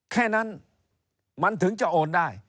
แค่นั้นมันถึงจะโอนได้